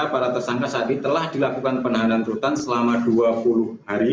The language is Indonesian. para tersangka saat ini telah dilakukan penahanan rutan selama dua puluh hari